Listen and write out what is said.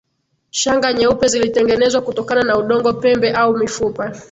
Shanga nyeupe zilitengenezwa kutokana na udongo pembe au mifupa